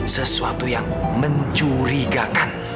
sesuatu yang mencurigakan